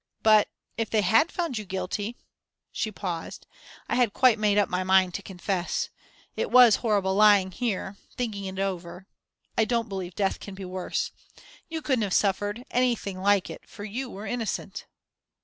But if they had found you guilty" she paused "I had quite made up my mind to confess. It was horrible lying here, thinking it over I don't believe death can be worse. You couldn't have suffered anything like it; for you were innocent."